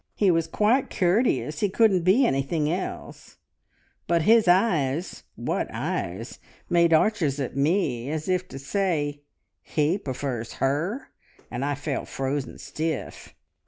He was quite courteous he couldn't be anything else. But his eyes, (what eyes!) made arches at me, as if to say, `He prefers her!' and I felt frozen stiff.